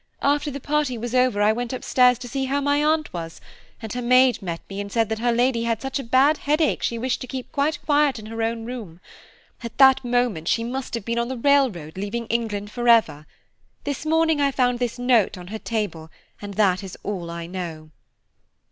After the party was over I went up stairs to see how my aunt was, and her maid met me and said her lady had such a bad headache she wished to keep quite quiet in her own room. At that moment she must have been on the railroad leaving England for ever. This morning I found this note on her table, and that is all I know."